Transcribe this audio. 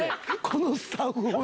このスタッフも！